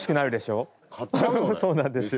アハハそうなんですよ。